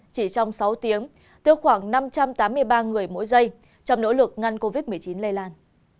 chỉ trong sáu tiếng tiêu khoảng năm trăm tám mươi ba người mỗi giây trong nỗ lực ngăn covid một mươi chín lây lan